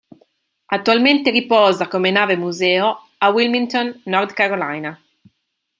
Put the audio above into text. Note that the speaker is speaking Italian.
Attualmente riposa come nave museo a Wilmington, North Carolina.